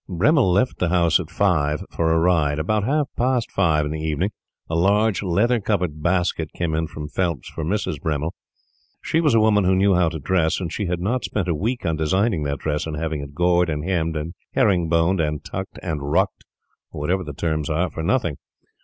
Bremmil left the house at five for a ride. About half past five in the evening a large leather covered basket came in from Phelps' for Mrs. Bremmil. She was a woman who knew how to dress; and she had not spent a week on designing that dress and having it gored, and hemmed, and herring boned, and tucked and rucked (or whatever the terms are) for nothing.